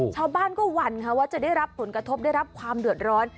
ชาวบ้านก็หวั่นค่ะว่าจะได้รับผลกระทบได้รับความเดือดร้อน